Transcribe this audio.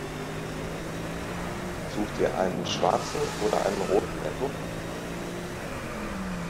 Sucht ihr einen schwarzen oder einen roten Netto?